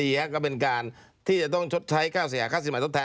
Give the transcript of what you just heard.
และก็เป็นการที่จะต้องใช้ค่าเสียหาค่าสินหมายต้นแทน